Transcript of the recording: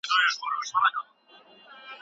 د عامې روغتیا ریاستونه څه دندې لري؟